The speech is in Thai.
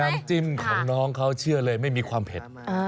น้ำจิ้มของน้องเขาเชื่อเลยไม่มีความเผ็ด